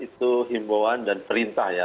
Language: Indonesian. itu himbauan dan perintah ya